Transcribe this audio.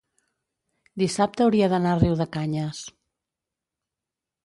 dissabte hauria d'anar a Riudecanyes.